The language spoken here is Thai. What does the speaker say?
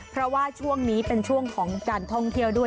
เพราะว่าช่วงนี้เป็นช่วงของการท่องเที่ยวด้วย